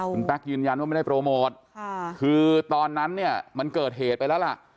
คุณแป๊กยืนยันว่าไม่ได้โปรโมทคือตอนนั้นเนี่ยมันเกิดเหตุไปแล้วล่ะ